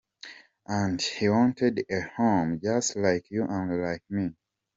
And he wanted a home just like you and like me